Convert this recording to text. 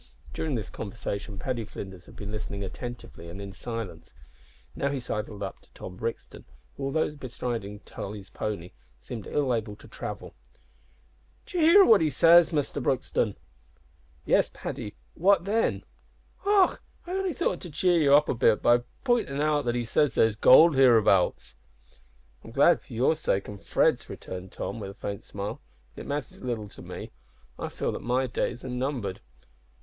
During this conversation Paddy Flinders had been listening attentively and in silence. He now sidled up to Tom Brixton, who, although bestriding Tolly's pony, seemed ill able to travel. "D'ye hear what the trapper says, Muster Brixton?" "Yes, Paddy, what then?" "Och! I only thought to cheer you up a bit by p'intin' out that he says there's goold hereabouts." "I'm glad for your sake and Fred's," returned Tom, with a faint smile, "but it matters little to me; I feel that my days are numbered."